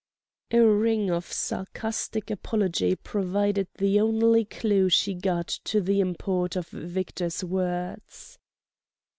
A ring of sarcastic apology provided the only clue she got to the import of Victor's words.